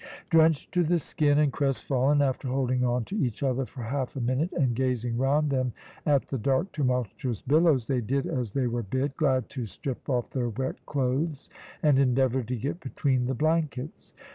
Drenched to the skin and crest fallen, after holding on to each other for half a minute and gazing round them at the dark tumultuous billows, they did as they were bid, glad to strip off their wet clothes and endeavour to get between the blankets.